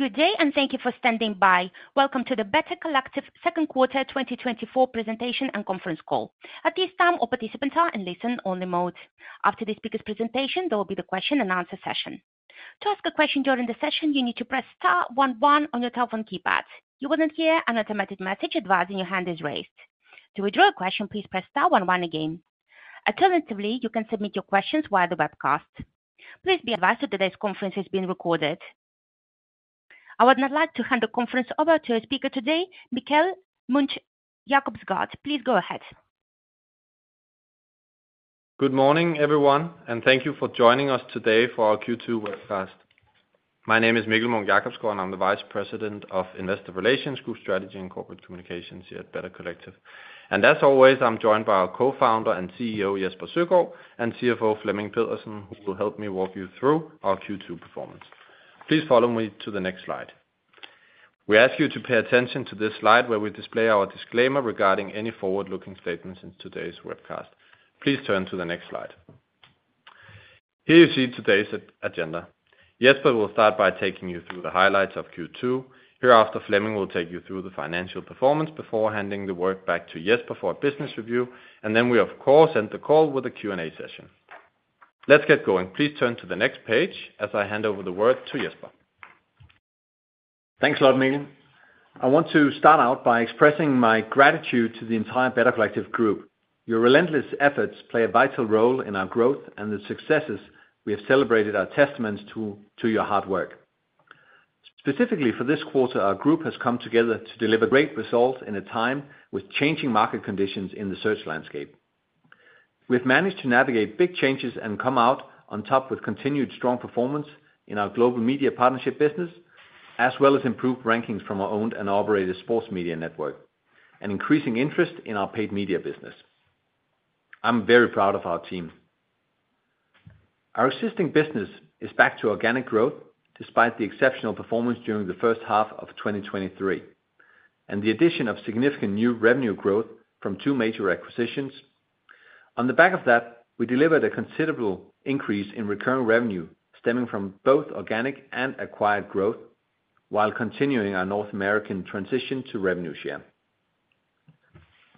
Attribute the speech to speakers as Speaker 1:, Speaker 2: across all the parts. Speaker 1: Good day, and thank you for standing by. Welcome to the Better Collective Second Quarter 2024 Presentation and Conference Call. At this time, all participants are in listen-only mode. After the speaker's presentation, there will be the question and answer session. To ask a question during the session, you need to press star one one on your telephone keypad. You will then hear an automatic message advising your hand is raised. To withdraw a question, please press star one one again. Alternatively, you can submit your questions via the webcast. Please be advised that today's conference is being recorded. I would now like to hand the conference over to our speaker today, Mikkel Munch-Jacobsgaard. Please go ahead.
Speaker 2: Good morning, everyone, and thank you for joining us today for our Q2 webcast. My name is Mikkel Munch-Jacobsgaard, and I'm the Vice President of Investor Relations, Group Strategy, and Corporate Communications here at Better Collective, and as always, I'm joined by our Co-founder and CEO, Jesper Søgaard, and CFO, Flemming Pedersen, who will help me walk you through our Q2 performance. Please follow me to the next slide. We ask you to pay attention to this slide, where we display our disclaimer regarding any forward-looking statements in today's webcast. Please turn to the next slide. Here you see today's agenda. Jesper will start by taking you through the highlights of Q2. Hereafter, Flemming will take you through the financial performance before handing the work back to Jesper for a business review, and then we, of course, end the call with a Q&A session. Let's get going. Please turn to the next page as I hand over the word to Jesper.
Speaker 3: Thanks a lot, Mikkel. I want to start out by expressing my gratitude to the entire Better Collective group. Your relentless efforts play a vital role in our growth and the successes we have celebrated are testaments to your hard work. Specifically for this quarter, our group has come together to deliver great results in a time with changing market conditions in the search landscape. We've managed to navigate big changes and come out on top with continued strong performance in our global media partnership business, as well as improved rankings from our owned and operated sports media network, and increasing interest in our paid media business. I'm very proud of our team. Our existing business is back to organic growth, despite the exceptional performance during the first half of 2023, and the addition of significant new revenue growth from two major acquisitions. On the back of that, we delivered a considerable increase in recurring revenue stemming from both organic and acquired growth, while continuing our North American transition to revenue share.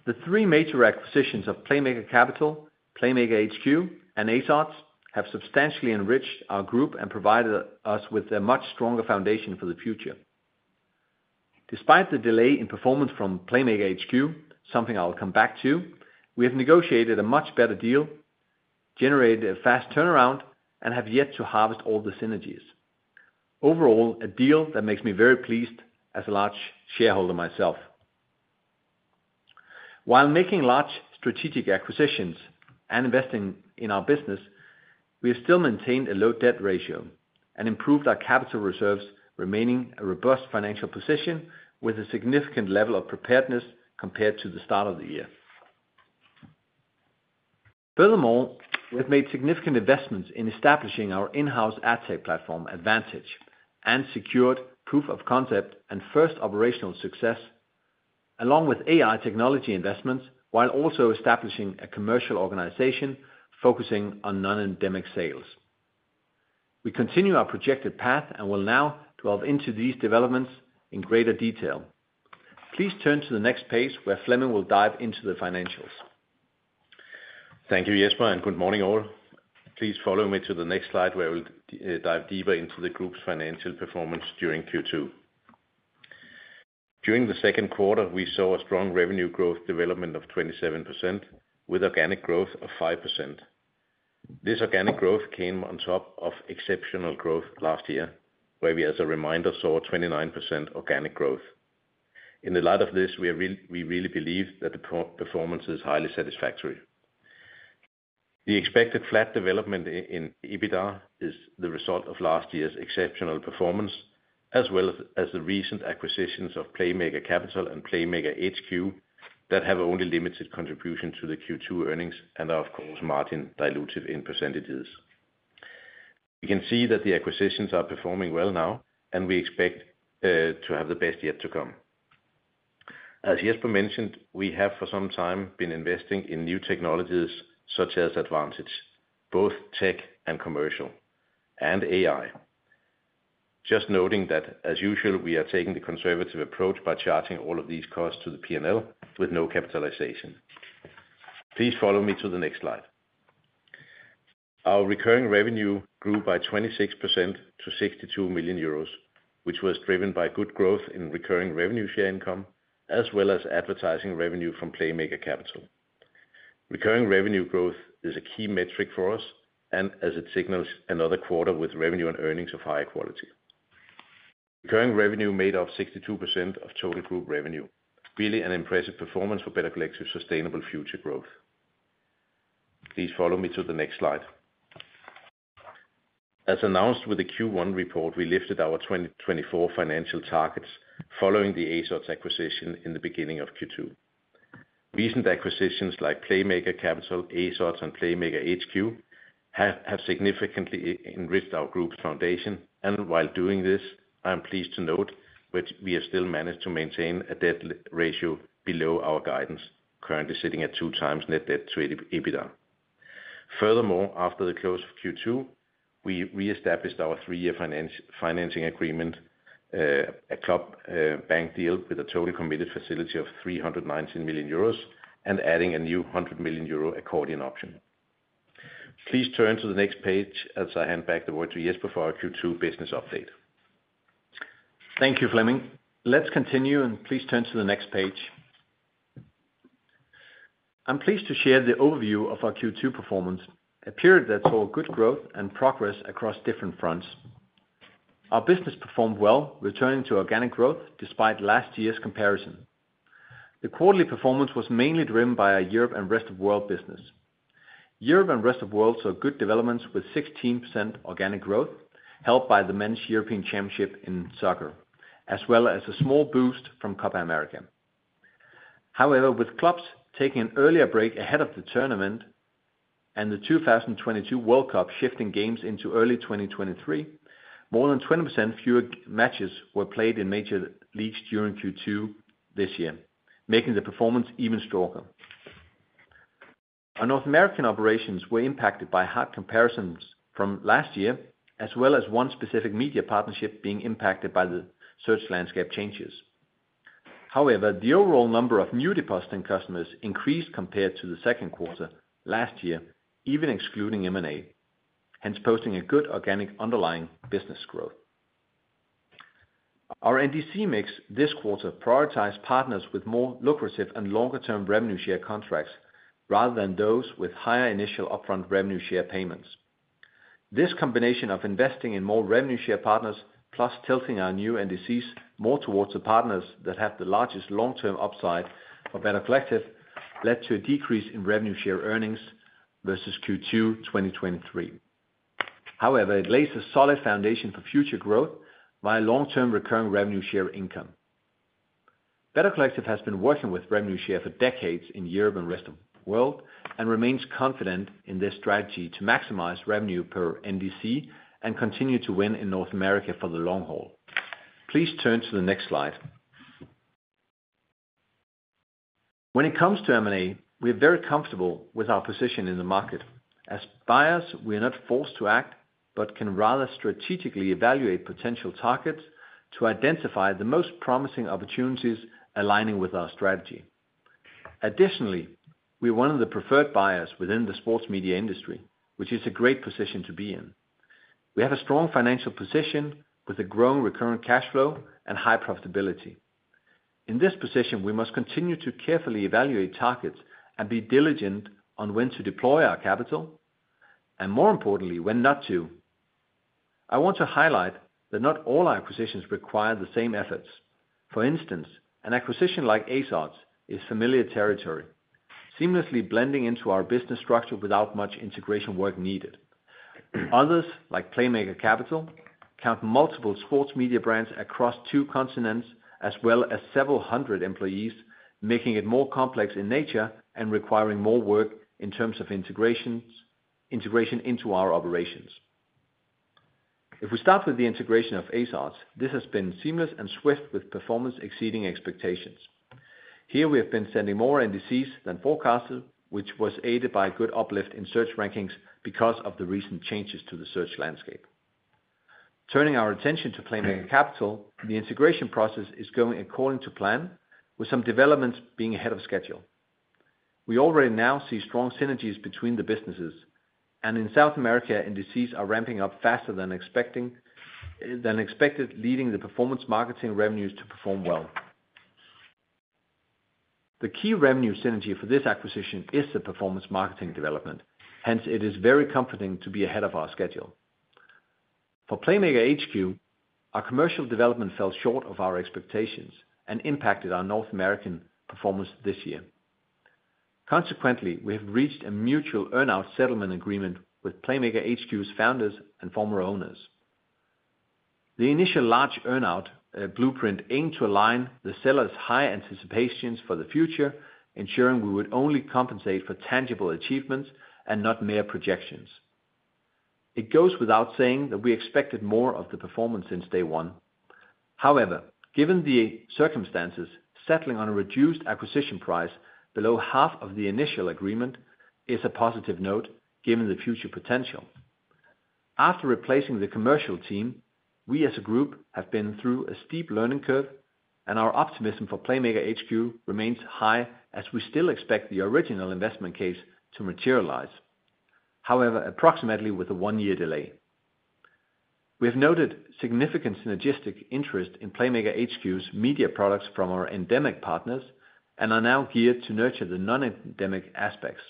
Speaker 3: The three major acquisitions of Playmaker Capital, Playmaker HQ, and AceOdds have substantially enriched our group and provided us with a much stronger foundation for the future. Despite the delay in performance from Playmaker HQ, something I will come back to, we have negotiated a much better deal, generated a fast turnaround, and have yet to harvest all the synergies. Overall, a deal that makes me very pleased as a large shareholder myself. While making large strategic acquisitions and investing in our business, we have still maintained a low debt ratio and improved our capital reserves, remaining a robust financial position with a significant level of preparedness compared to the start of the year. Furthermore, we have made significant investments in establishing our in-house ad tech platform, AdVantage, and secured proof of concept and first operational success, along with AI technology investments, while also establishing a commercial organization focusing on non-endemic sales. We continue our projected path and will now delve into these developments in greater detail. Please turn to the next page, where Flemming will dive into the financials.
Speaker 4: Thank you, Jesper, and good morning, all. Please follow me to the next slide, where we'll dive deeper into the group's financial performance during Q2. During the second quarter, we saw a strong revenue growth development of 27%, with organic growth of 5%. This organic growth came on top of exceptional growth last year, where we, as a reminder, saw a 29% organic growth. In the light of this, we really believe that the performance is highly satisfactory. The expected flat development in EBITDA is the result of last year's exceptional performance, as well as the recent acquisitions of Playmaker Capital and Playmaker HQ that have only limited contribution to the Q2 earnings and are, of course, margin dilutive in percentages. We can see that the acquisitions are performing well now, and we expect to have the best yet to come. As Jesper mentioned, we have for some time been investing in new technologies such as AdVantage, both tech and commercial, and AI. Just noting that, as usual, we are taking the conservative approach by charging all of these costs to the P&L with no capitalization. Please follow me to the next slide. Our recurring revenue grew by 26% to 62 million euros, which was driven by good growth in recurring revenue share income, as well as advertising revenue from Playmaker Capital. Recurring revenue growth is a key metric for us and as it signals another quarter with revenue and earnings of higher quality. Recurring revenue made up 62% of total group revenue, really an impressive performance for Better Collective's sustainable future growth. Please follow me to the next slide. As announced with the Q1 report, we lifted our 2024 financial targets following the AceOdds acquisition in the beginning of Q2. Recent acquisitions like Playmaker Capital, AceOdds, and Playmaker HQ have significantly enriched our group's foundation, and while doing this, I am pleased to note that we have still managed to maintain a debt leverage ratio below our guidance, currently sitting at two times net debt to EBITDA. Furthermore, after the close of Q2, we reestablished our three-year financing agreement, a club bank deal with a total committed facility of 319 million euros, and adding a new 100 million euro accordion option. Please turn to the next page as I hand back the word to Jesper for our Q2 business update.
Speaker 3: Thank you, Flemming. Let's continue, and please turn to the next page. I'm pleased to share the overview of our Q2 performance, a period that saw good growth and progress across different fronts. Our business performed well, returning to organic growth despite last year's comparison. The quarterly performance was mainly driven by our Europe and Rest of World business. Europe and Rest of World saw good developments, with 16% organic growth, helped by the Men's European Championship in soccer, as well as a small boost from Copa America. However, with clubs taking an earlier break ahead of the tournament and the 2022 World Cup shifting games into early 2023, more than 20% fewer matches were played in major leagues during Q2 this year, making the performance even stronger. Our North American operations were impacted by hard comparisons from last year, as well as one specific media partnership being impacted by the search landscape changes. However, the overall number of new depositing customers increased compared to the second quarter last year, even excluding M&A, hence posting a good organic underlying business growth. Our NDC mix this quarter prioritized partners with more lucrative and longer-term revenue share contracts, rather than those with higher initial upfront revenue share payments. This combination of investing in more revenue share partners, plus tilting our new NDCs more towards the partners that have the largest long-term upside for Better Collective, led to a decrease in revenue share earnings versus Q2 2023. However, it lays a solid foundation for future growth by long-term recurring revenue share income. Better Collective has been working with revenue share for decades in Europe and Rest of World, and remains confident in this strategy to maximize revenue per NDC and continue to win in North America for the long haul. Please turn to the next slide. When it comes to M&A, we're very comfortable with our position in the market. As buyers, we are not forced to act, but can rather strategically evaluate potential targets to identify the most promising opportunities aligning with our strategy. Additionally, we're one of the preferred buyers within the sports media industry, which is a great position to be in. We have a strong financial position with a growing recurring cash flow and high profitability. In this position, we must continue to carefully evaluate targets and be diligent on when to deploy our capital, and more importantly, when not to. I want to highlight that not all our acquisitions require the same efforts. For instance, an acquisition like AceOdds is familiar territory, seamlessly blending into our business structure without much integration work needed. Others, like Playmaker Capital, count multiple sports media brands across two continents, as well as several hundred employees, making it more complex in nature and requiring more work in terms of integration into our operations. If we start with the integration of AceOdds, this has been seamless and swift, with performance exceeding expectations. Here we have been sending more NDCs than forecasted, which was aided by a good uplift in search rankings because of the recent changes to the search landscape. Turning our attention to Playmaker Capital, the integration process is going according to plan, with some developments being ahead of schedule. We already now see strong synergies between the businesses, and in South America, NDCs are ramping up faster than expected, leading the performance marketing revenues to perform well. The key revenue synergy for this acquisition is the performance marketing development. Hence, it is very comforting to be ahead of our schedule. For Playmaker HQ, our commercial development fell short of our expectations and impacted our North American performance this year. Consequently, we have reached a mutual earn-out settlement agreement with Playmaker HQ's founders and former owners. The initial large earn-out blueprint aimed to align the sellers' high anticipations for the future, ensuring we would only compensate for tangible achievements and not mere projections. It goes without saying that we expected more of the performance since day one. However, given the circumstances, settling on a reduced acquisition price below half of the initial agreement is a positive note, given the future potential. After replacing the commercial team, we, as a group, have been through a steep learning curve, and our optimism for Playmaker HQ remains high, as we still expect the original investment case to materialize. However, approximately with a one-year delay. We have noted significant synergistic interest in Playmaker HQ's media products from our endemic partners and are now geared to nurture the non-endemic aspects.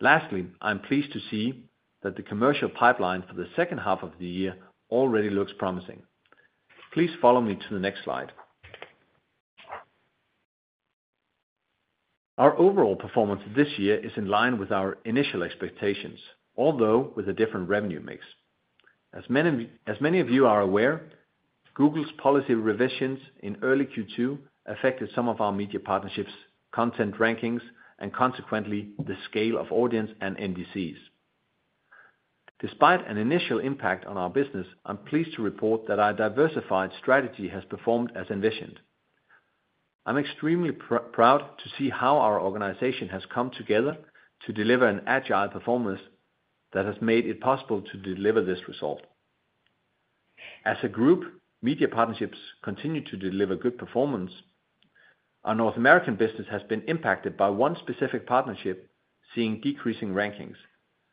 Speaker 3: Lastly, I'm pleased to see that the commercial pipeline for the second half of the year already looks promising. Please follow me to the next slide. Our overall performance this year is in line with our initial expectations, although with a different revenue mix. As many of you are aware, Google's policy revisions in early Q2 affected some of our media partnerships, content rankings, and consequently, the scale of audience and NDCs. Despite an initial impact on our business, I'm pleased to report that our diversified strategy has performed as envisioned. I'm extremely proud to see how our organization has come together to deliver an agile performance that has made it possible to deliver this result. As a group, media partnerships continue to deliver good performance. Our North American business has been impacted by one specific partnership, seeing decreasing rankings.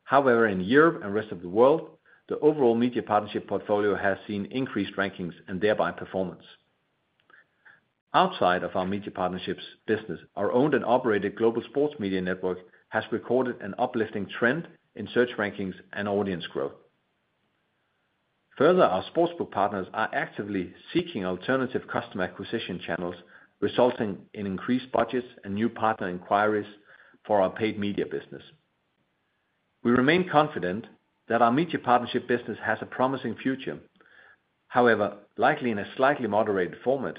Speaker 3: However, in Europe and Rest of World, the overall media partnership portfolio has seen increased rankings and thereby performance. Outside of our media partnerships business, our owned and operated global sports media network has recorded an uplifting trend in search rankings and audience growth. Further, our sportsbook partners are actively seeking alternative customer acquisition channels, resulting in increased budgets and new partner inquiries for our paid media business. We remain confident that our media partnership business has a promising future, however, likely in a slightly moderated format.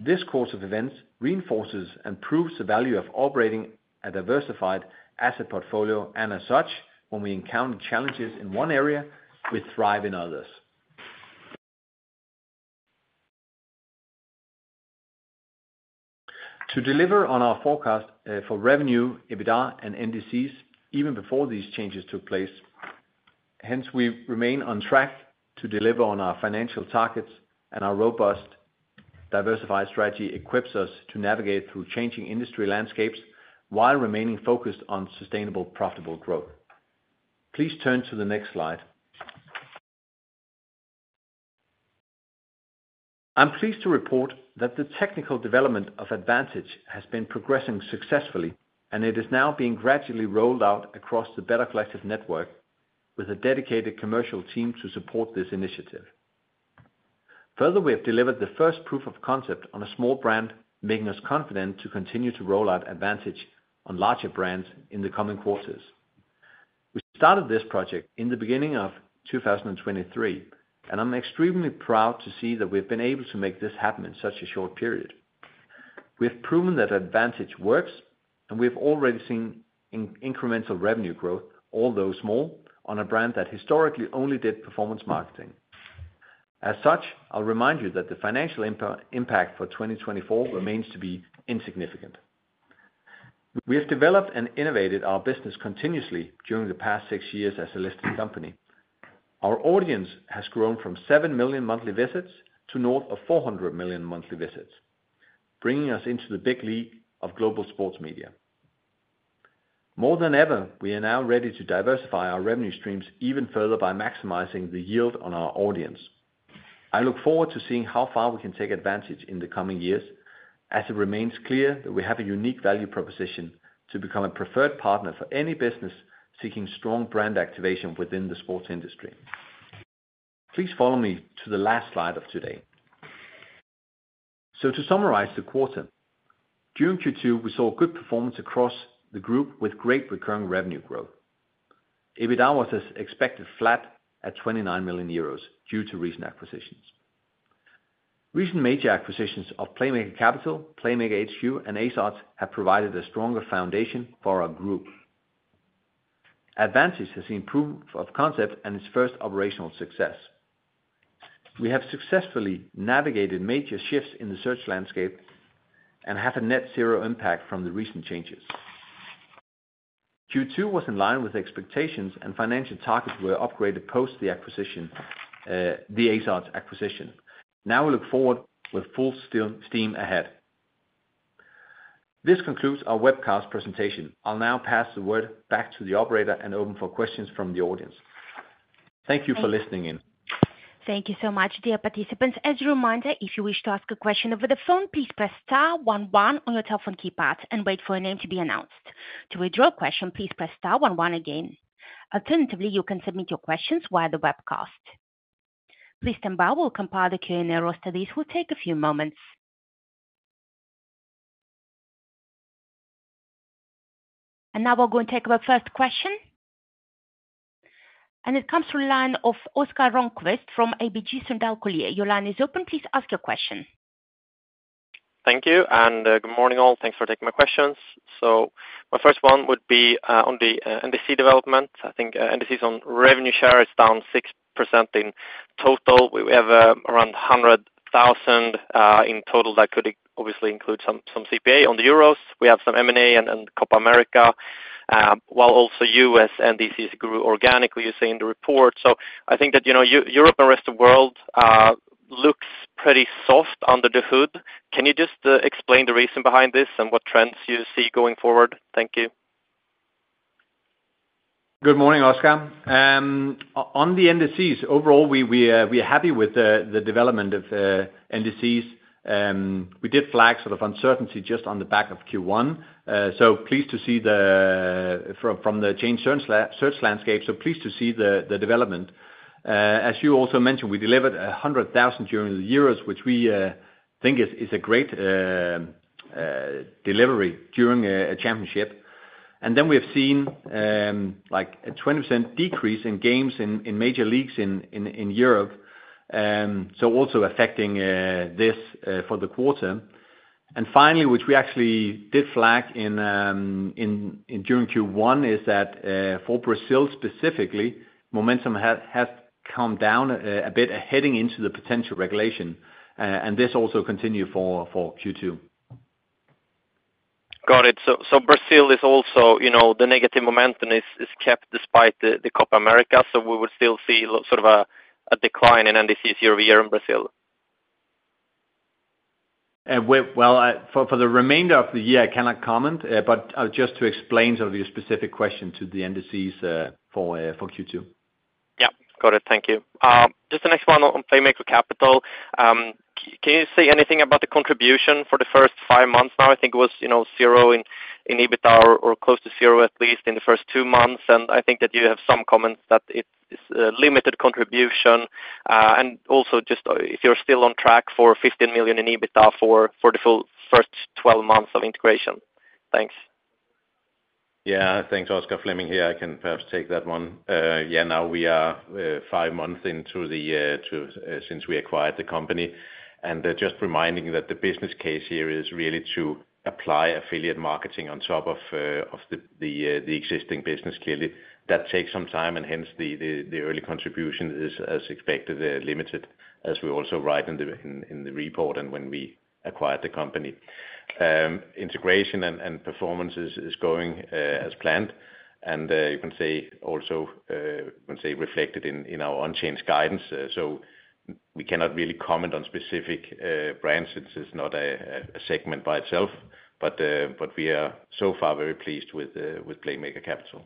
Speaker 3: This course of events reinforces and proves the value of operating a diversified asset portfolio, and as such, when we encounter challenges in one area, we thrive in others. To deliver on our forecast for revenue, EBITDA, and NDCs even before these changes took place, hence, we remain on track to deliver on our financial targets, and our robust, diversified strategy equips us to navigate through changing industry landscapes while remaining focused on sustainable, profitable growth. Please turn to the next slide. I'm pleased to report that the technical development of AdVantage has been progressing successfully, and it is now being gradually rolled out across the Better Collective network with a dedicated commercial team to support this initiative. Further, we have delivered the first proof of concept on a small brand, making us confident to continue to roll out AdVantage on larger brands in the coming quarters. We started this project in the beginning of 2023, and I'm extremely proud to see that we've been able to make this happen in such a short period. We have proven that AdVantage works, and we've already seen incremental revenue growth, although small, on a brand that historically only did performance marketing. As such, I'll remind you that the financial impact for 2024 remains to be insignificant. We have developed and innovated our business continuously during the past six years as a listed company. Our audience has grown from seven million monthly visits to north of four hundred million monthly visits, bringing us into the big league of global sports media. More than ever, we are now ready to diversify our revenue streams even further by maximizing the yield on our audience. I look forward to seeing how far we can take AdVantage in the coming years, as it remains clear that we have a unique value proposition to become a preferred partner for any business seeking strong brand activation within the sports industry. Please follow me to the last slide of today. So to summarize the quarter, during Q2, we saw good performance across the group with great recurring revenue growth. EBITDA was as expected, flat at 29 million euros due to recent acquisitions. Recent major acquisitions of Playmaker Capital, Playmaker HQ, and AceOdds have provided a stronger foundation for our group. AdVantage has seen proof of concept and its first operational success. We have successfully navigated major shifts in the search landscape and have a net zero impact from the recent changes. Q2 was in line with expectations, and financial targets were upgraded post the acquisition, the AceOdds acquisition. Now we look forward with full steam ahead. This concludes our webcast presentation. I'll now pass the word back to the operator and open for questions from the audience. Thank you for listening in.
Speaker 1: Thank you so much, dear participants. As a reminder, if you wish to ask a question over the phone, please press star one one on your telephone keypad and wait for your name to be announced. To withdraw a question, please press star one one again. Alternatively, you can submit your questions via the webcast. Please stand by. We'll compile the Q&A roster. This will take a few moments. And now we'll go and take our first question. And it comes from the line of Oscar Rönnkvist from ABG Sundal Collier. Your line is open. Please ask your question.
Speaker 5: Thank you, and, good morning, all. Thanks for taking my questions. So my first one would be, on the, NDC development. I think, NDCs on revenue share is down 6% in total. We have, around 100,000, in total. That could obviously include some CPA on the Euros. We have some M&A and Copa America, while also U.S. NDCs grew organically, you say in the report. So I think that, you know, Europe and Rest of World, looks pretty soft under the hood. Can you just, explain the reason behind this and what trends you see going forward? Thank you.
Speaker 3: Good morning, Oscar. On the NDCs, overall, we are happy with the development of NDCs. We did flag sort of uncertainty just on the back of Q1. So pleased to see the development from the change search landscape, so pleased to see the development. As you also mentioned, we delivered a hundred thousand during the Euros, which we think is a great delivery during a championship. And then we have seen like a 20% decrease in games in major leagues in Europe, so also affecting this for the quarter. Finally, which we actually did flag in during Q1, is that for Brazil specifically, momentum has come down a bit heading into the potential regulation, and this also continue for Q2.
Speaker 5: Got it. So Brazil is also, you know, the negative momentum is kept despite the Copa America, so we would still see sort of a decline in NDCs year-over-year in Brazil?
Speaker 3: Well, for the remainder of the year, I cannot comment, but just to explain sort of your specific question to the NDCs for Q2.
Speaker 5: Yep. Got it. Thank you. Just the next one on Playmaker Capital. Can you say anything about the contribution for the first five months now? I think it was, you know, zero in EBITDA, or close to zero, at least in the first two months, and I think that you have some comments that it is a limited contribution. And also just, if you're still on track for fifteen million in EBITDA for the full first 12 months of integration. Thanks.
Speaker 3: Yeah. Thanks, Oscar. Flemming here. I can perhaps take that one. Yeah, now we are five months into since we acquired the company, and just reminding you that the business case here is really to apply affiliate marketing on top of the existing business. Clearly, that takes some time, and hence, the early contribution is, as expected, limited, as we also write in the report and when we acquired the company. Integration and performance is going as planned, and you can say also which is reflected in our unchanged guidance. So we cannot really comment on specific brands, since it's not a segment by itself, but we are so far very pleased with Playmaker Capital.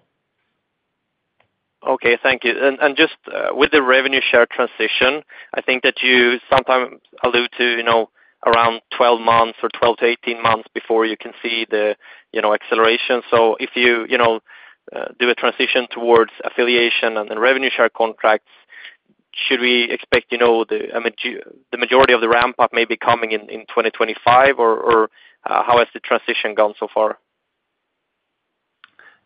Speaker 5: Okay. Thank you. And just with the revenue share transition, I think that you sometimes allude to, you know, around 12 months or 12-18 months before you can see the, you know, acceleration. So if you, you know, do a transition towards affiliate and revenue share contracts, should we expect, you know, the majority of the ramp up may be coming in, in 2025, or how has the transition gone so far?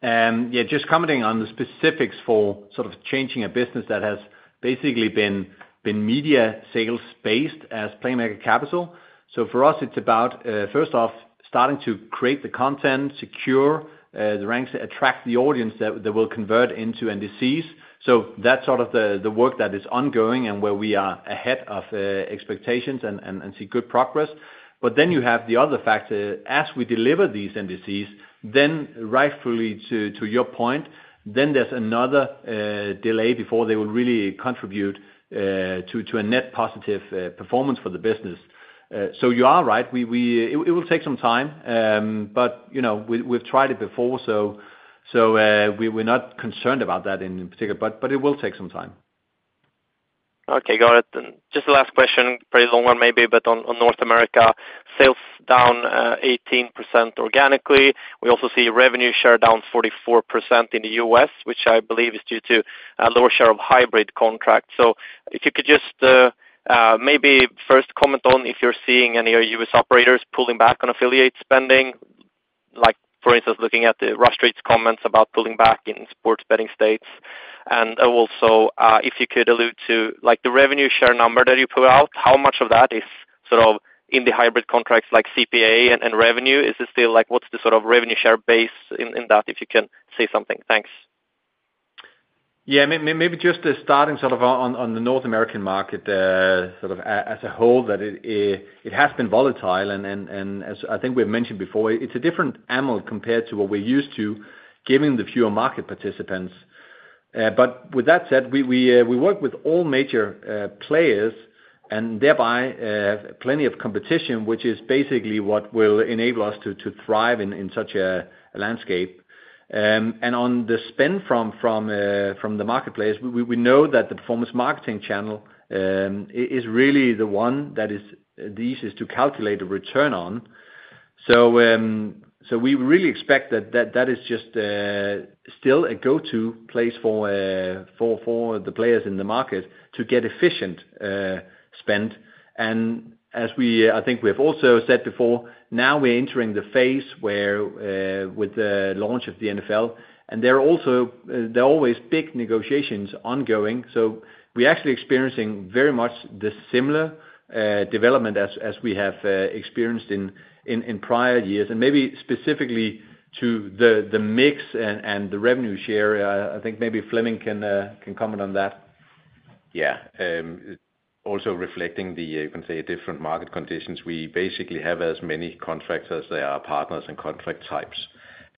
Speaker 3: Yeah, just commenting on the specifics for sort of changing a business that has basically been media sales-based as Playmaker Capital. So for us, it's about first off starting to create the content, secure the ranks that attract the audience that will convert into NDCs. So that's sort of the work that is ongoing and where we are ahead of expectations and see good progress. But then you have the other factor, as we deliver these NDCs, then rightfully to your point, then there's another delay before they will really contribute to a net positive performance for the business. So you are right. We... It will take some time, but, you know, we've tried it before, so we're not concerned about that in particular, but it will take some time.
Speaker 5: Okay, got it. And just the last question, pretty long one maybe, but on North America, sales down 18% organically. We also see revenue share down 44% in the U.S., which I believe is due to a lower share of hybrid contracts. So if you could just maybe first comment on if you're seeing any U.S. operators pulling back on affiliate spending, like, for instance, looking at the Rush Street's comments about pulling back in sports betting states, and also, if you could allude to, like, the revenue share number that you put out, how much of that is sort of in the hybrid contracts, like CPA and revenue? Is this still, like, what's the sort of revenue share base in that, if you can say something? Thanks.
Speaker 3: Yeah, maybe just starting sort of on the North American market, sort of as a whole, that it has been volatile, and as I think we've mentioned before, it's a different animal compared to what we're used to, given the fewer market participants. But with that said, we work with all major players and thereby plenty of competition, which is basically what will enable us to thrive in such a landscape. And on the spend from the marketplace, we know that the performance marketing channel is really the one that is the easiest to calculate a return on. So we really expect that that is just still a go-to place for the players in the market to get efficient spend. And as we, I think, we have also said before, now we're entering the phase where, with the launch of the NFL, and there are also always big negotiations ongoing, so we're actually experiencing very much the similar development as we have experienced in prior years, and maybe specifically to the mix and the revenue share. I think maybe Flemming can comment on that.
Speaker 4: Yeah. Also reflecting the, you can say, different market conditions, we basically have as many contracts as there are partners and contract types.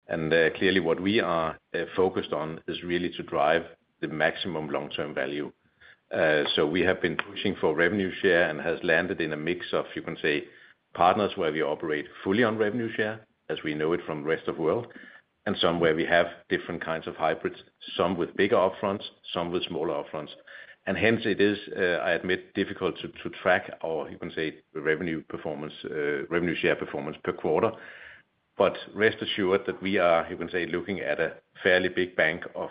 Speaker 4: And, clearly what we are focused on is really to drive the maximum long-term value. So we have been pushing for revenue share and has landed in a mix of, you can say, partners where we operate fully on revenue share, as we know it from rest of world, and some where we have different kinds of hybrids, some with bigger upfronts, some with smaller upfronts. And hence it is, I admit, difficult to track our, you can say, revenue performance, revenue share performance per quarter. But rest assured that we are, you can say, looking at a fairly big bank of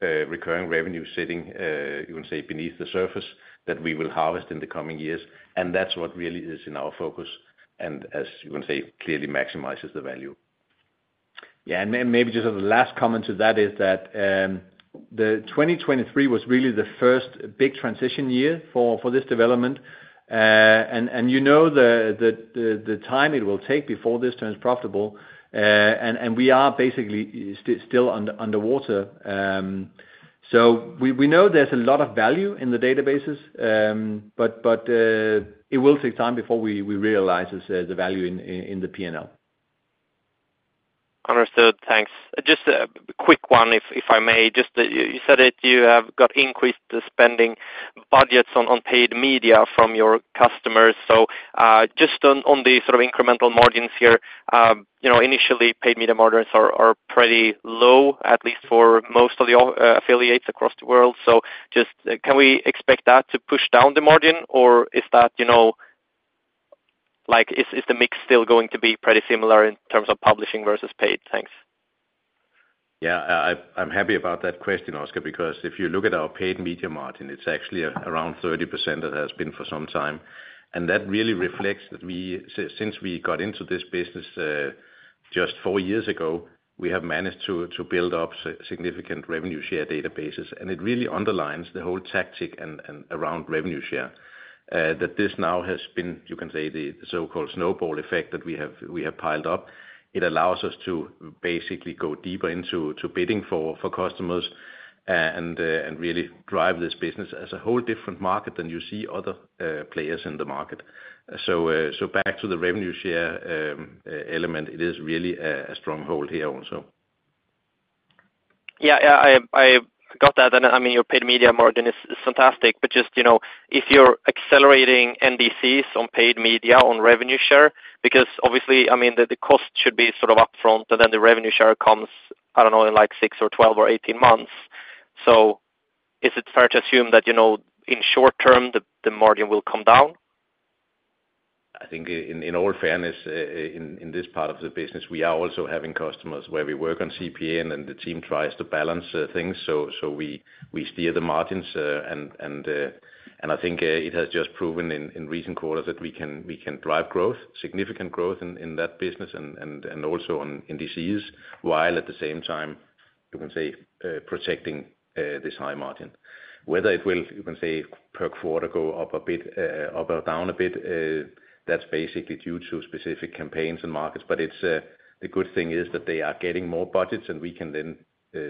Speaker 4: recurring revenue sitting, you can say, beneath the surface, that we will harvest in the coming years, and that's what really is in our focus, and as you can say, clearly maximizes the value.
Speaker 3: Yeah, and maybe just as a last comment to that is that, the 2023 was really the first big transition year for, for this development. And, you know, the time it will take before this turns profitable, and we are basically still underwater. So we know there's a lot of value in the databases, but, it will take time before we realize the value in, in the P&L.
Speaker 5: Understood. Thanks. Just a quick one, if I may. Just, you said that you have got increased spending budgets on paid media from your customers. So, just on the sort of incremental margins here, you know, initially, paid media margins are pretty low, at least for most of the affiliates across the world. So just, can we expect that to push down the margin, or is that, you know, like, is the mix still going to be pretty similar in terms of publishing versus paid? Thanks.
Speaker 3: Yeah. I'm happy about that question, Oscar, because if you look at our paid media margin, it's actually around 30%, and has been for some time. And that really reflects that since we got into this business just four years ago, we have managed to build up significant revenue share databases. And it really underlines the whole tactic and around revenue share that this now has been, you can say, the so-called snowball effect that we have piled up. It allows us to basically go deeper into bidding for customers and really drive this business as a whole different market than you see other players in the market. So back to the revenue share element, it is really a stronghold here also.
Speaker 5: Yeah, yeah, I, I got that, and, I mean, your paid media margin is, is fantastic, but just, you know, if you're accelerating NDCs on paid media, on revenue share, because obviously, I mean, the, the cost should be sort of upfront, and then the revenue share comes, I don't know, in, like, six or 12 or 18 months. So is it fair to assume that, you know, in short term, the, the margin will come down?
Speaker 3: I think in all fairness, in this part of the business, we are also having customers where we work on CPA, and then the team tries to balance things, so we steer the margins. I think it has just proven in recent quarters that we can drive growth, significant growth in that business and also on NDCs, while at the same time, you can say, protecting this high margin. Whether it will, you can say, per quarter, go up a bit, up or down a bit, that's basically due to specific campaigns and markets. But the good thing is that they are getting more budgets, and we can then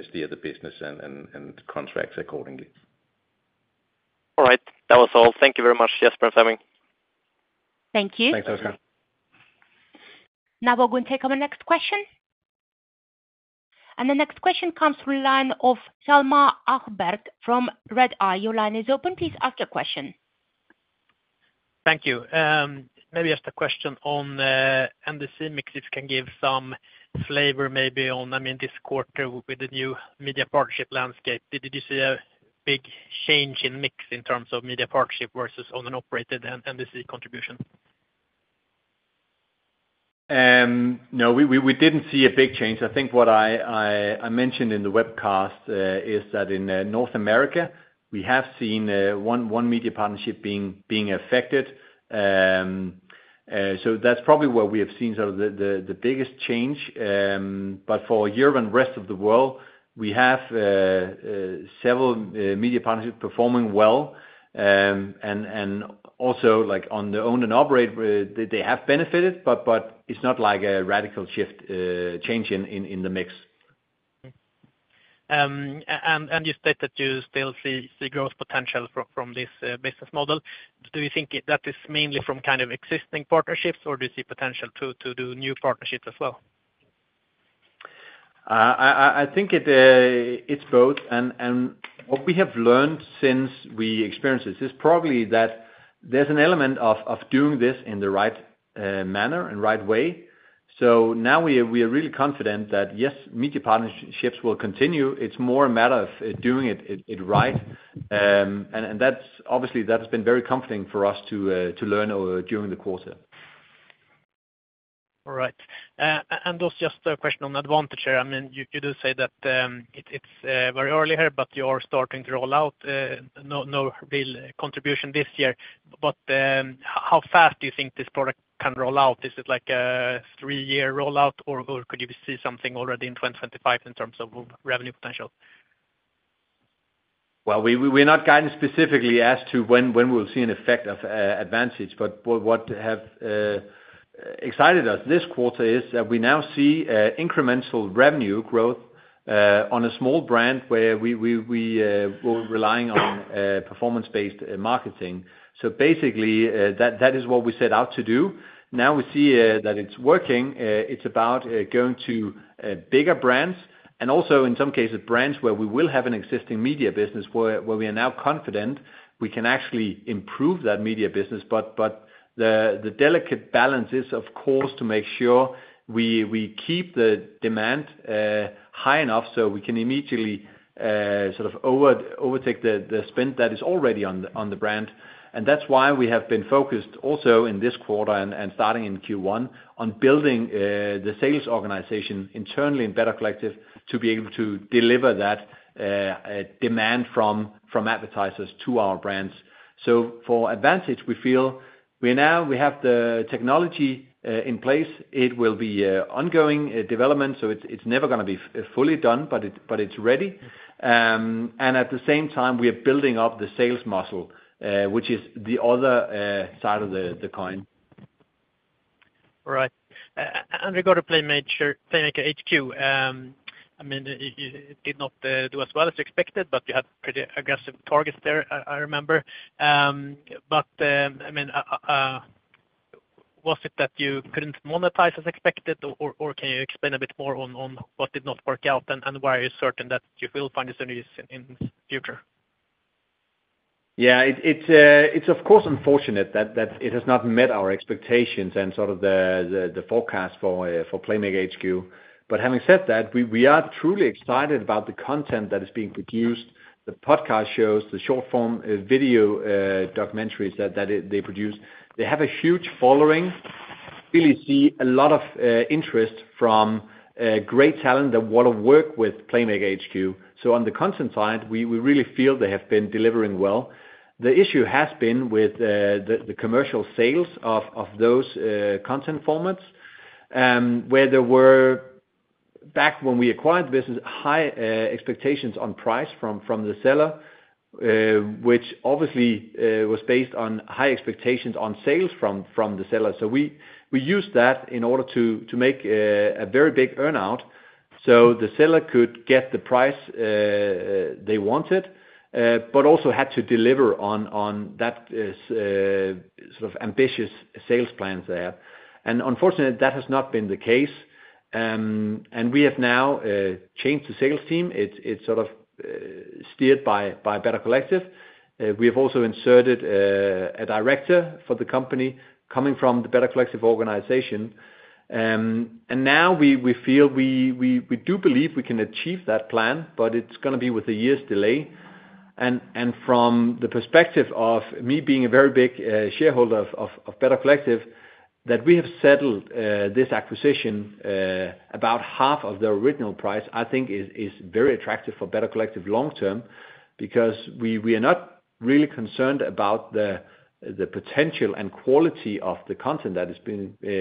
Speaker 3: steer the business and contracts accordingly.
Speaker 5: All right, that was all. Thank you very much, Jesper Søgaard.
Speaker 1: Thank you.
Speaker 3: Thanks, Oscar.
Speaker 1: Now we're going to take our next question. And the next question comes through the line of Hjalmar Ahlberg from Redeye. Your line is open. Please ask your question.
Speaker 6: Thank you. Maybe just a question on the NDC mix. If you can give some flavor maybe on, I mean, this quarter with the new media partnership landscape, did you see a big change in mix in terms of media partnership versus owned and operated and NDC contribution?
Speaker 3: No, we didn't see a big change. I think what I mentioned in the webcast is that in North America, we have seen one media partnership being affected, so that's probably where we have seen sort of the biggest change, but for Europe and rest of the world, we have several media partnerships performing well, and also, like, on the own and operate, they have benefited, but it's not like a radical shift, change in the mix.
Speaker 6: You said that you still see the growth potential from this business model. Do you think that is mainly from kind of existing partnerships, or do you see potential to do new partnerships as well?
Speaker 3: I think it's both, and what we have learned since we experienced this is probably that there's an element of doing this in the right manner and right way. So now we are really confident that, yes, media partnerships will continue. It's more a matter of doing it right. And that's obviously been very comforting for us to learn over during the quarter.
Speaker 6: All right. Just a question on AdVantage share. I mean, you do say that it's very early here, but you're starting to roll out no real contribution this year. But how fast do you think this product can roll out? Is it like a three-year rollout, or could you see something already in 2025 in terms of revenue potential?
Speaker 3: We're not guiding specifically as to when we'll see an effect of AdVantage, but what have excited us this quarter is that we now see incremental revenue growth on a small brand where we were relying on performance-based marketing. Basically, that is what we set out to do. Now we see that it's working. It's about going to bigger brands, and also, in some cases, brands where we will have an existing media business, where we are now confident we can actually improve that media business, the delicate balance is, of course, to make sure we keep the demand high enough so we can immediately sort of overtake the spend that is already on the brand. And that's why we have been focused also in this quarter and starting in Q1 on building the sales organization internally in Better Collective to be able to deliver that demand from advertisers to our brands. So for AdVantage, we feel we now we have the technology in place. It will be ongoing development, so it's never gonna be fully done, but it's ready. And at the same time, we are building up the sales muscle, which is the other side of the coin.
Speaker 6: Right. And regarding Playmaker, Playmaker HQ, I mean, it did not do as well as expected, but you had pretty aggressive targets there, I remember. But I mean, was it that you couldn't monetize as expected? Or can you explain a bit more on what did not work out, and why are you certain that you will find the synergies in future?
Speaker 3: Yeah, it's of course unfortunate that it has not met our expectations and sort of the forecast for Playmaker HQ, but having said that, we are truly excited about the content that is being produced, the podcast shows, the short form video documentaries that they produce. They have a huge following. We really see a lot of interest from great talent that want to work with Playmaker HQ. So on the content side, we really feel they have been delivering well. The issue has been with the commercial sales of those content formats, where there were, back when we acquired the business, high expectations on price from the seller, which obviously was based on high expectations on sales from the seller. So we used that in order to make a very big earn-out, so the seller could get the price they wanted, but also had to deliver on that sort of ambitious sales plans there. And unfortunately, that has not been the case. And we have now changed the sales team. It's sort of steered by Better Collective. We have also inserted a director for the company, coming from the Better Collective organization. And now we do believe we can achieve that plan, but it's gonna be with a year's delay. From the perspective of me being a very big shareholder of Better Collective, that we have settled this acquisition about half of the original price, I think is very attractive for Better Collective long term. Because we are not really concerned about the potential and quality of the content that is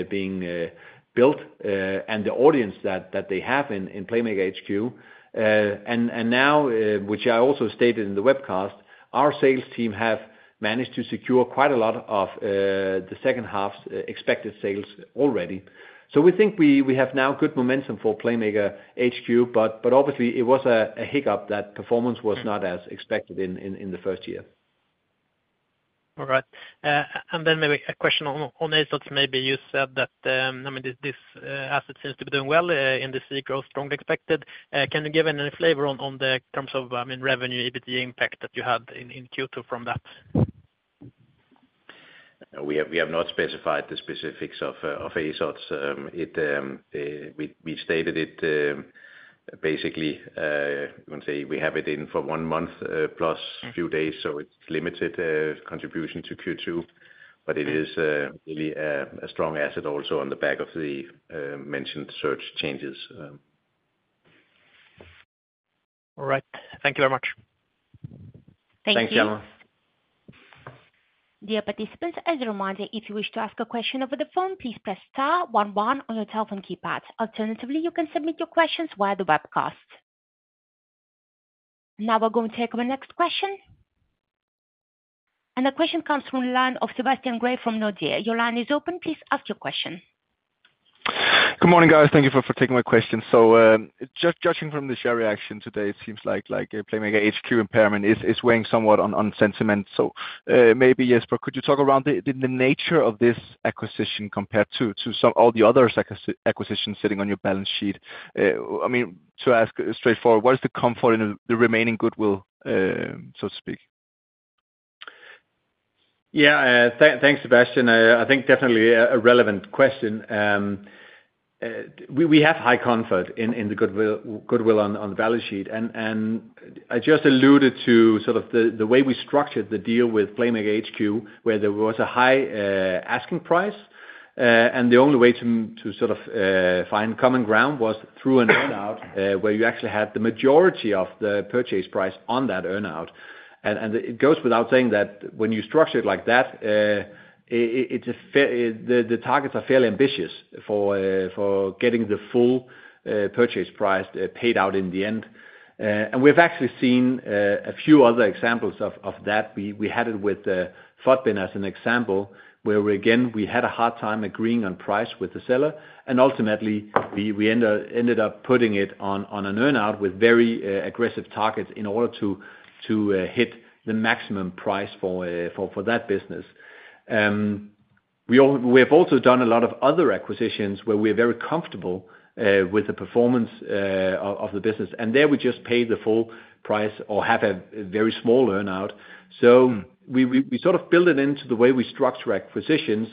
Speaker 3: being built and the audience that they have in Playmaker HQ. And now, which I also stated in the webcast, our sales team have managed to secure quite a lot of the second half's expected sales already. So we think we have now good momentum for Playmaker HQ, but obviously it was a hiccup that performance was not as expected in the first year.
Speaker 6: All right, and then maybe a question on AceOdds maybe. You said that, I mean, this asset seems to be doing well, and we see growth strongly expected. Can you give any flavor on the terms of, I mean, revenue, EBITDA impact that you had in Q2 from that?
Speaker 3: We have not specified the specifics of AceOdds. We stated it basically. You can say we have it in for one month plus few days, so it's limited contribution to Q2, but it is really a strong asset also on the back of the mentioned search changes.
Speaker 6: All right. Thank you very much.
Speaker 1: Thank you.
Speaker 3: Thanks, Jan.
Speaker 1: Dear participants, as a reminder, if you wish to ask a question over the phone, please press star one one on your telephone keypad. Alternatively, you can submit your questions via the webcast. Now we're going to take our next question, and the question comes from the line of Sebastian Gray from Nordea. Your line is open. Please ask your question.
Speaker 7: Good morning, guys. Thank you for taking my question. Just judging from the share reaction today, it seems like a Playmaker HQ impairment is weighing somewhat on sentiment. Maybe, Jesper, could you talk around the nature of this acquisition compared to some, all the other acquisitions sitting on your balance sheet? I mean, to ask straightforward, what is the comfort in the remaining goodwill, so to speak?
Speaker 3: Yeah. Thanks, Sebastian. I think definitely a relevant question. We have high comfort in the goodwill on the balance sheet. And I just alluded to sort of the way we structured the deal with Playmaker HQ, where there was a high asking price. And the only way to sort of find common ground was through an earn-out, where you actually had the majority of the purchase price on that earn-out. And it goes without saying that when you structure it like that, the targets are fairly ambitious for getting the full purchase price paid out in the end. And we've actually seen a few other examples of that. We had it with Futbin as an example, where we again had a hard time agreeing on price with the seller, and ultimately, we ended up putting it on an earn-out with very aggressive targets in order to hit the maximum price for that business. We have also done a lot of other acquisitions where we're very comfortable with the performance of the business, and there we just paid the full price or have a very small earn-out. So we sort of build it into the way we structure acquisitions.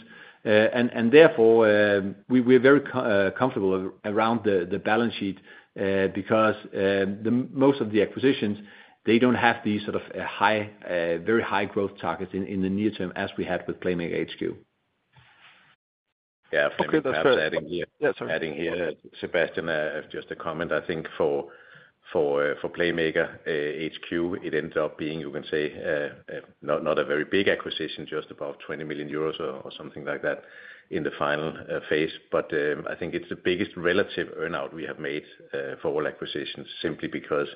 Speaker 3: And therefore, we're very comfortable around the balance sheet, because most of the acquisitions they don't have these sort of very high growth targets in the near term as we had with Playmaker HQ.
Speaker 7: Okay, that's fair.
Speaker 3: Adding here-
Speaker 7: Yeah, sorry.
Speaker 3: Adding here, Sebastian, just a comment. I think for Playmaker HQ, it ended up being, you can say, not a very big acquisition, just about 20 million euros or something like that in the final phase. But I think it's the biggest relative earn-out we have made for all acquisitions, simply because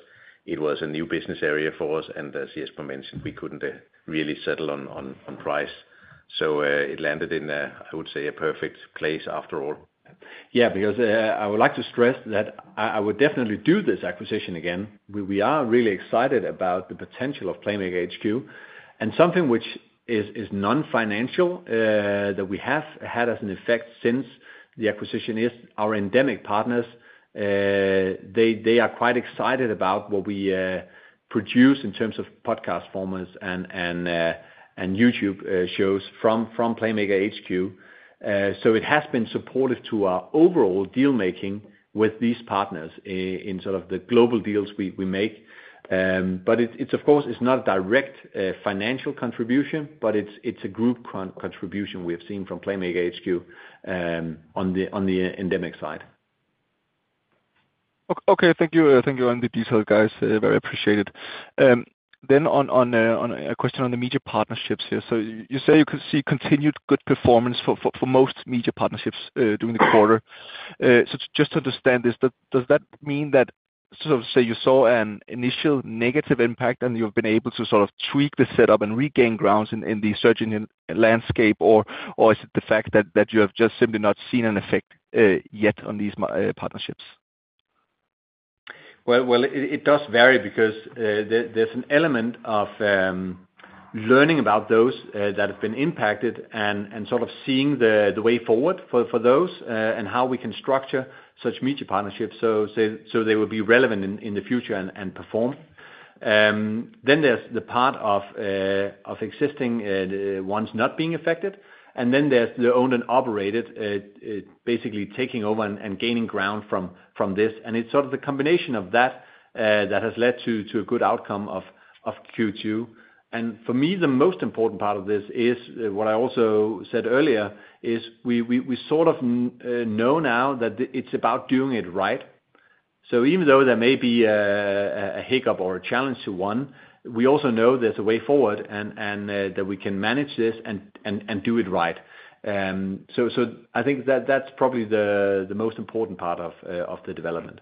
Speaker 3: it was a new business area for us, and as Jesper mentioned, we couldn't really settle on price. So it landed in a, I would say, a perfect place after all. Yeah, because I would like to stress that I would definitely do this acquisition again. We are really excited about the potential of Playmaker HQ, and something which is non-financial that we have had as an effect since the acquisition is our endemic partners. They are quite excited about what we produce in terms of podcast formats and YouTube shows from Playmaker HQ. So it has been supportive to our overall deal making with these partners in sort of the global deals we make. But it's of course it's not a direct financial contribution, but it's a group contribution we have seen from Playmaker HQ on the endemic side.
Speaker 7: Okay. Thank you. Thank you on the detail, guys, very appreciated. Then on a question on the media partnerships here. So you say you can see continued good performance for most media partnerships during the quarter. So just to understand this, does that mean that, sort of, say you saw an initial negative impact and you've been able to sort of tweak the setup and regain grounds in the search engine landscape? Or is it the fact that you have just simply not seen an effect yet on these partnerships?
Speaker 3: It does vary because there's an element of learning about those that have been impacted and sort of seeing the way forward for those and how we can structure such media partnerships, so they will be relevant in the future and perform. Then there's the part of existing ones not being affected, and then there's the owned and operated basically taking over and gaining ground from this. And it's sort of the combination of that that has led to a good outcome of Q2. And for me, the most important part of this is, what I also said earlier, is we sort of know now that it's about doing it right. So even though there may be a hiccup or a challenge to one, we also know there's a way forward and that we can manage this and do it right. So I think that's probably the most important part of the development.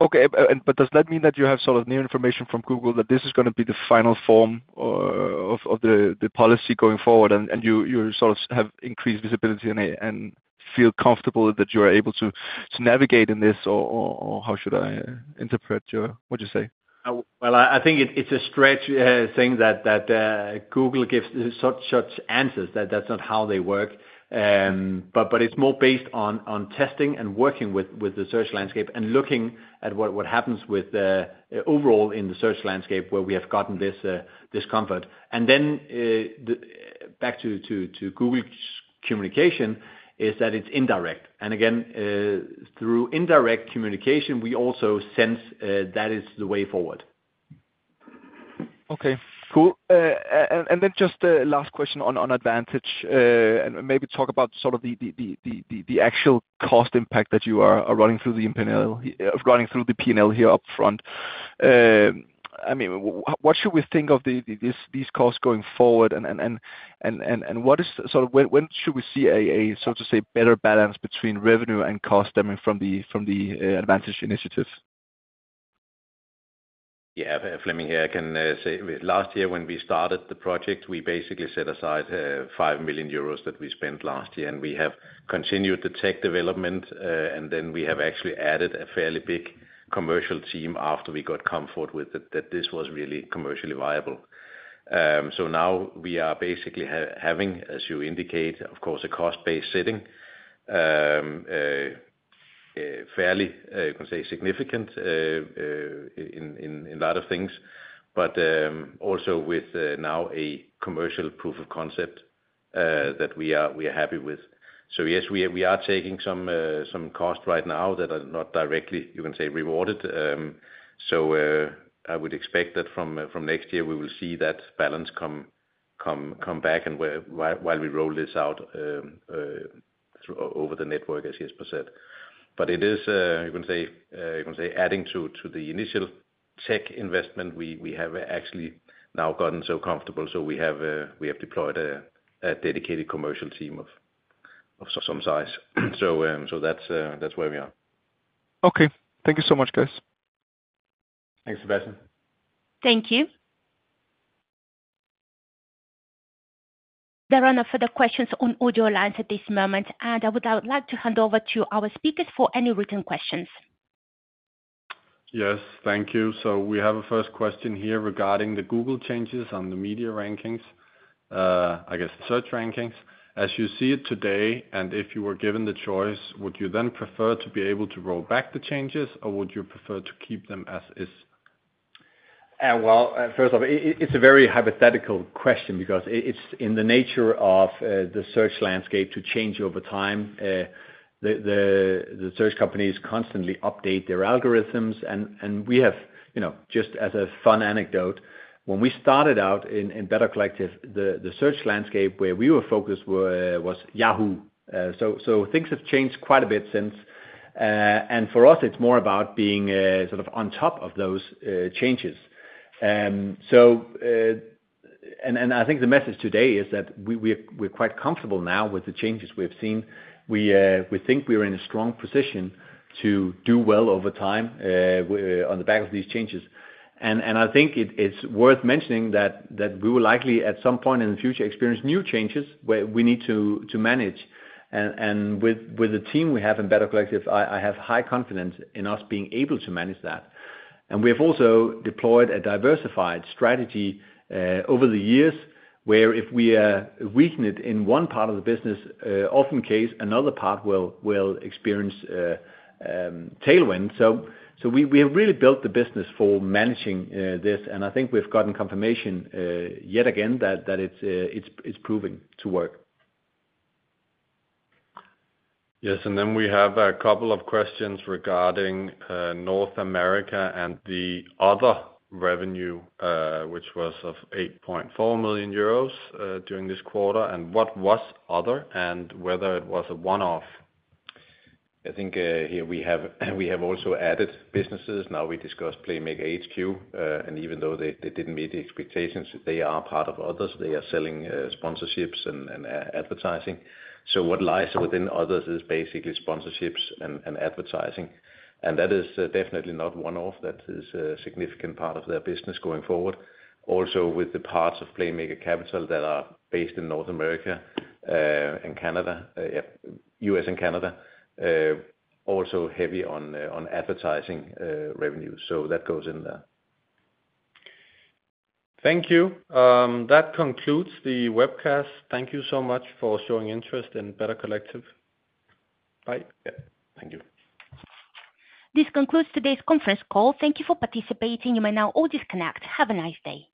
Speaker 7: Okay, but does that mean that you have sort of new information from Google, that this is gonna be the final form of the policy going forward, and you sort of have increased visibility and feel comfortable that you are able to navigate in this? Or how should I interpret your... what you say?
Speaker 3: I think it's a stretch saying that Google gives such answers, that that's not how they work. But it's more based on testing and working with the search landscape and looking at what happens with the overall in the search landscape, where we have gotten this comfort. And then back to Google communication, is that it's indirect. And again, through indirect communication, we also sense that is the way forward.
Speaker 7: Okay, cool. And then just a last question on AdVantage. And maybe talk about sort of the actual cost impact that you are running through the PNL here upfront. I mean, what should we think of these costs going forward? And what is sort of when should we see a so to say better balance between revenue and cost stemming from the AdVantage initiative?
Speaker 3: Yeah, Flemming here. I can say last year when we started the project, we basically set aside 5 million euros that we spent last year, and we have continued the tech development, and then we have actually added a fairly big commercial team after we got comfort with it, that this was really commercially viable, so now we are basically having, as you indicate, of course, a cost-based setting, fairly, you can say, significant, in a lot of things, but also with now a commercial proof of concept, that we are happy with, so yes, we are taking some cost right now that are not directly, you can say, rewarded. So, I would expect that from next year, we will see that balance come back and while we roll this out through over the network, as Jesper said. But it is, you can say adding to the initial tech investment, we have actually now gotten so comfortable. So we have deployed a dedicated commercial team of some size. So, that's where we are.
Speaker 7: Okay. Thank you so much, guys.
Speaker 3: Thanks, Sebastian.
Speaker 1: Thank you. There are no further questions on audio lines at this moment, and I would like to hand over to our speakers for any written questions.
Speaker 4: Yes, thank you. So we have a first question here regarding the Google changes on the media rankings, I guess the search rankings. As you see it today, and if you were given the choice, would you then prefer to be able to roll back the changes, or would you prefer to keep them as is?
Speaker 3: Well, first off, it's a very hypothetical question because it's in the nature of the search landscape to change over time. The search companies constantly update their algorithms, and we have, you know, just as a fun anecdote, when we started out in Better Collective, the search landscape where we were focused was Yahoo!, so things have changed quite a bit since, and for us, it's more about being sort of on top of those changes. I think the message today is that we're quite comfortable now with the changes we have seen. We think we are in a strong position to do well over time on the back of these changes. I think it's worth mentioning that we will likely, at some point in the future, experience new changes where we need to manage. With the team we have in Better Collective, I have high confidence in us being able to manage that. We have also deployed a diversified strategy over the years, where if we weaken it in one part of the business, in most cases, another part will experience tailwind. So we have really built the business for managing this, and I think we've gotten confirmation yet again that it's proving to work.
Speaker 4: Yes, and then we have a couple of questions regarding North America and the other revenue, which was of 8.4 million euros during this quarter, and what was other, and whether it was a one-off?
Speaker 3: I think, here we have also added businesses. Now, we discussed Playmaker HQ, and even though they didn't meet the expectations, they are part of others. They are selling sponsorships and advertising. So what lies within others is basically sponsorships and advertising, and that is definitely not one-off. That is a significant part of their business going forward. Also, with the parts of Playmaker Capital that are based in North America and Canada, U.S. and Canada, also heavy on advertising revenue. So that goes in there.
Speaker 4: Thank you. That concludes the webcast. Thank you so much for showing interest in Better Collective. Bye.
Speaker 3: Yeah. Thank you.
Speaker 1: This concludes today's conference call. Thank you for participating. You may now all disconnect. Have a nice day.